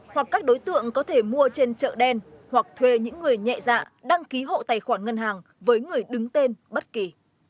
hoặc các đối tượng có thể mua trên chợ đen hoặc thuê những người nhẹ dạ đăng ký hộ tài khoản ngân hàng với người đứng tên bất kỳ